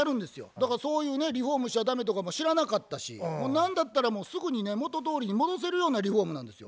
だからそういうねリフォームしちゃ駄目とかも知らなかったし何だったらすぐにね元どおりに戻せるようなリフォームなんですよ。